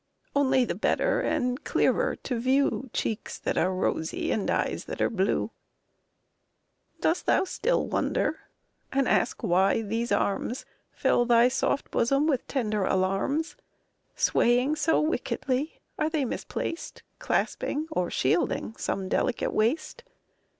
Only the better and clearer to view Cheeks that are rosy and eyes that are blue. Dost thou still wonder, and ask why these arms Fill thy soft bosom with tender alarms, Swaying so wickedly? Are they misplaced Clasping or shielding some delicate waist?